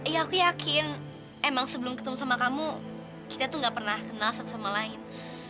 ya aku yakin emang sebelum ketemu sama kamu kita tuh gak pernah kenal satu sama lain